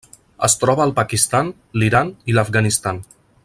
Es troba al Pakistan, l'Iran i l'Afganistan.